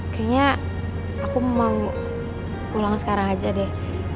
kayaknya aku mau pulang sekarang aja deh